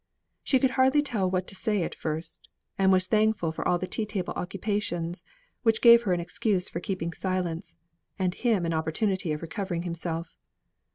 She could hardly tell what to say at first, and was thankful for all the tea table occupations, which gave her an excuse for keeping silence, and him an opportunity for recovering himself.